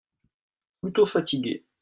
Plutôt fatigué.